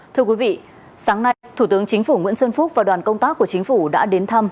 thưa quý vị sáng nay thủ tướng chính phủ nguyễn xuân phúc và đoàn công tác của chính phủ đã đến thăm